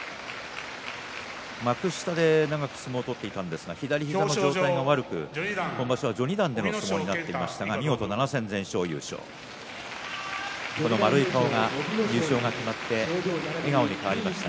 幕下で長く相撲を取っていたんですが左膝の状態が悪く今場所は序二段での相撲になっていますが見事、序二段７戦全勝優勝この丸い顔が優勝が決まって笑顔に変わりました。